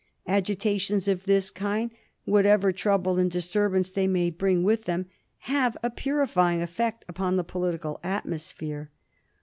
Agitations of this kind, what ever trouble and disturbance they may bring with them, have a purifying effect upon the political at mosphere.